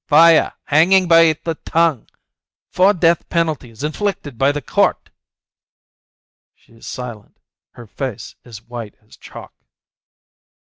Fire! Hanging by the tongue! Four death penalties inflicted by the court!" She is silent, her face is white as chalk.